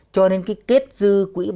cho nên cái kết dư quỹ bảo hiểm